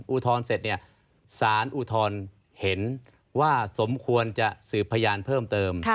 อุทธรณ์เสร็จเนี่ยสารอุทธรณ์เห็นว่าสมควรจะสืบพยานเพิ่มเติม